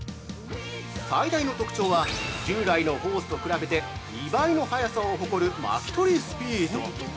最大の特徴は、従来のホースと比べて２倍の早さを誇る巻き取りスピード。